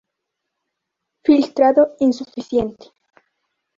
Filtrado insuficiente.